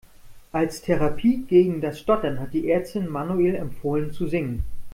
Als Therapie gegen das Stottern hat die Ärztin Manuel empfohlen zu singen.